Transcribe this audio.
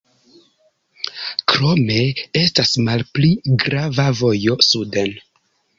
Krome estas malpli grava vojo suden.